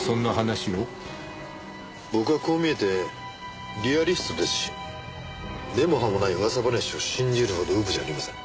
僕はこう見えてリアリストですし根も葉もない噂話を信じるほどうぶじゃありません。